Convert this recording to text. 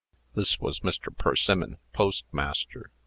This was Mr. Persimmon, postmaster.